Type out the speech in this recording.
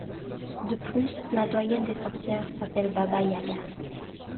De plus, la doyenne des sorcières s'appelle Baba Yaga.